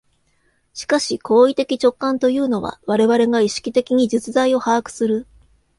しかし行為的直観というのは、我々が意識的に実在を把握する、